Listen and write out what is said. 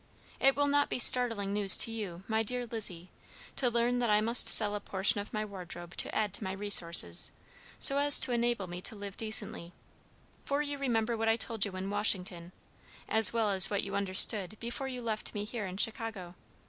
It will not be startling news to you, my dear Lizzie, to learn that I must sell a portion of my wardrobe to add to my resources, so as to enable me to live decently, for you remember what I told you in Washington, as well as what you understood before you left me here in Chicago.